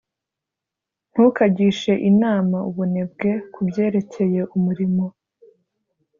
ntukagishe inama umunebwe ku byerekeye umurimo,